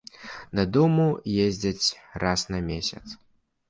Дадому ездзяць раз на месяц.